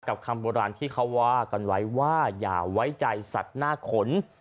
คำโบราณที่เขาว่ากันไว้ว่าอย่าไว้ใจสัตว์หน้าขน